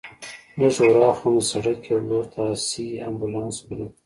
لږ ورهاخوا مو د سړک یوې لور ته آسي امبولانس ولید.